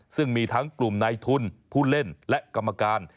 ซึ่งมีทั้งกลุ่มนายทุนผู้เล่นและกรรมการ